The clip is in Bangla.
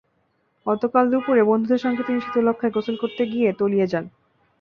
গতকাল দুপুরে বন্ধুদের সঙ্গে তিনি শীতলক্ষ্যায় গোসল করতে গিয়ে তলিয়ে যায়।